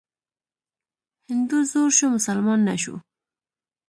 هندو زوړ شو، مسلمان نه شو.